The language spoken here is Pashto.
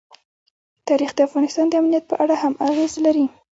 تاریخ د افغانستان د امنیت په اړه هم اغېز لري.